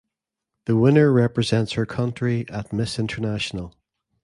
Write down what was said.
The winner represents her country at Miss International.